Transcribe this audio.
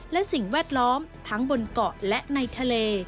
และสิ่งแวดล้อมทั้งบนเกาะและในทะเล